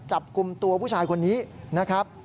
จับกลุ่มตัวผู้ชายคนนี้นะครับ